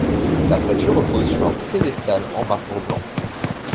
La statue repose sur un piédestal en marbre blanc.